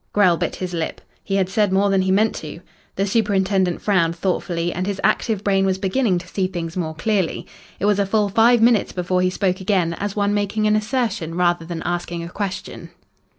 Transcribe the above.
Grell bit his lip. He had said more than he meant to. The superintendent frowned thoughtfully, and his active brain was beginning to see things more clearly. It was a full five minutes before he spoke again as one making an assertion rather than asking a question.